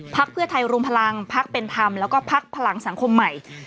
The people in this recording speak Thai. พักเพื่อไทยรุมพลังพักเป็นธรรมแล้วก็พักพลังสังคมใหม่